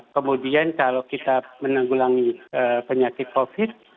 kemudian kalau kita menanggulangi penyakit covid